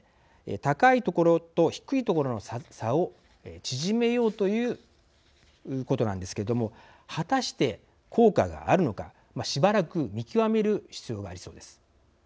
高いところと低いところの差を縮めようということなんですけども果たして効果があるのかしばらく見極める必要がありそうです。